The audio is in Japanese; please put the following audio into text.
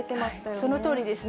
そのとおりですね。